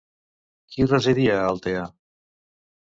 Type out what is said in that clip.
Qui residia a Altea?